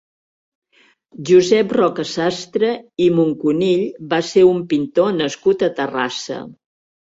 Josep Roca-Sastre i Muncunill va ser un pintor nascut a Terrassa.